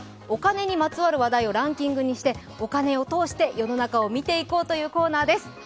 お金にまつわる話題をランキングにして、お金を通して世の中を見ていこうというコーナーです。